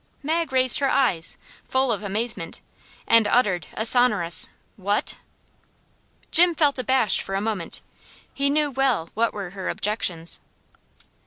Mag raised her eyes, full of amazement, and uttered a sonorous "What?" Jim felt abashed for a moment. He knew well what were her objections.